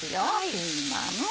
ピーマン。